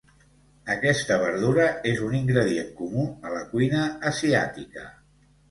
Aquesta verdura és un ingredient comú a la cuina asiàtica.